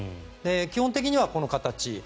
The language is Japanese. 基本的にはこの形。